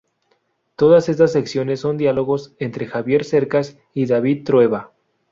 Todas estas secciones son diálogos entre Javier Cercas y David Trueba.